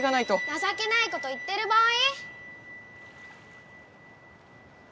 ・なさけないこと言ってる場合？